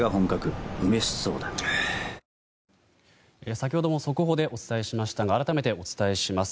先ほども速報でお伝えしましたが改めてお伝えします。